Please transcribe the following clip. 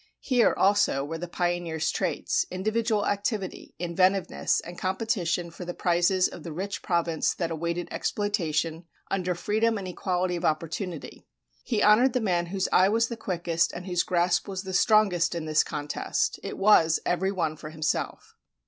Here, also, were the pioneer's traits, individual activity, inventiveness, and competition for the prizes of the rich province that awaited exploitation under freedom and equality of opportunity. He honored the man whose eye was the quickest and whose grasp was the strongest in this contest: it was "every one for himself."